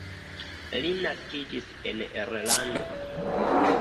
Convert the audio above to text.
Li naskiĝis en Irlando.